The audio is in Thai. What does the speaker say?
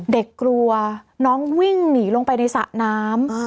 กลัวน้องวิ่งหนีลงไปในสระน้ำ